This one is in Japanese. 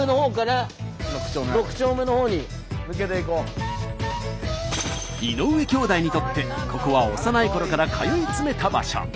じゃあ井上兄弟にとってここは幼いころから通い詰めた場所。